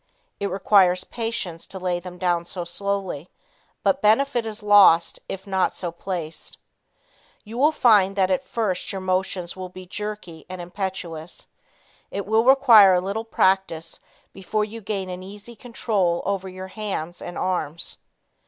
It requires patience to lay them down so slowly, but benefit is lost if not so placed. You will find that at first your motions will be jerky and impetuous. It will require a little practice before you gain an easy control over your hands and arms.